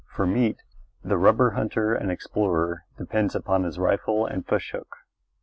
For meat the rubber hunter and explorer depends upon his rifle and fish hook.